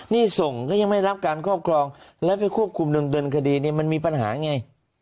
นี่ส่งก็ยังไม่รับการครอบครองแล้วไปควบคุมเดินคดีเนี่ยมันมีปัญหาไง